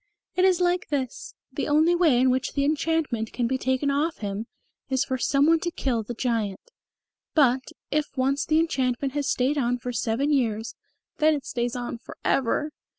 "It is like this. The only way in which the enchantment can be taken off him is for some one to kill the Giant. But, if once the enchantment has stayed on for seven years, then it stays on for ever."